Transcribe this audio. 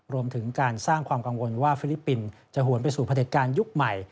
รวมถึงการสร้างความกังวลว่าฟิลิปปินส์จะหวนไปสู่พระเด็จการยุคใหม่